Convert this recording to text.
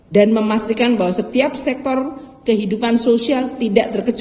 dan memastikan bahwa setiap sektor kehidupan sosial tidak terlalu terbatas